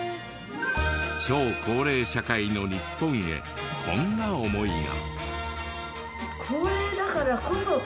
超高齢社会の日本へこんな思いが。